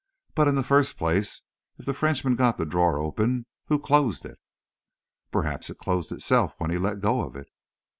But, in the first place, if the Frenchman got the drawer open, who closed it?" "Perhaps it closed itself when he let go of it."